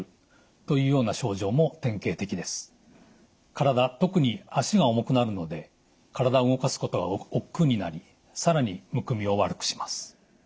体特に脚が重くなるので体を動かすことがおっくうになり更にむくみを悪くします。